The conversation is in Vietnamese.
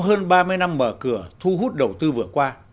hơn ba mươi năm mở cửa thu hút đầu tư vừa qua